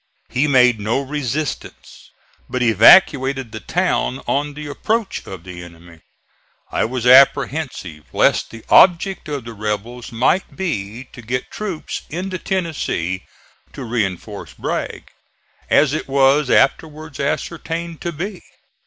He made no resistance, but evacuated the town on the approach of the enemy. I was apprehensive lest the object of the rebels might be to get troops into Tennessee to reinforce Bragg, as it was afterwards ascertained to be.